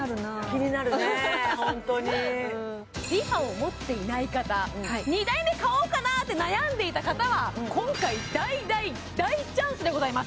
気になるねえホントにＲｅＦａを持っていない方２台目買おうかなって悩んでいた方は今回大大大チャンスでございます